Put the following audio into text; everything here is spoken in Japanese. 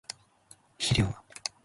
肥料